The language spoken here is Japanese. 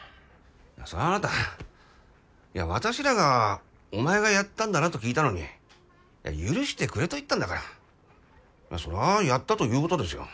そらあなたいや私らがお前がやったんだなと聞いたのにいや許してくれと言ったんだからまあそりゃあやったということですよ。